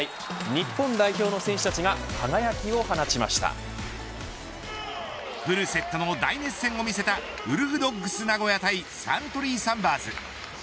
日本代表の選手たちがフルセットの大熱戦を見せたウルフドッグス名古屋対サントリーサンバーズ。